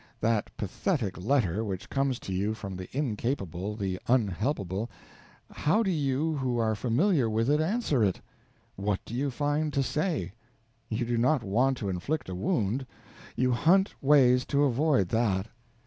That pathetic letter which comes to you from the incapable, the unhelpable how do you who are familiar with it answer it? What do you find to say? You do not want to inflict a wound; you hunt ways to avoid that.